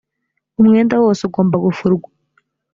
umwenda wose ugomba gufurwa.